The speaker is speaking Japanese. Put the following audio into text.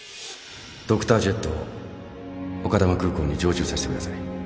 ドクタージェットを丘珠空港に常駐させてください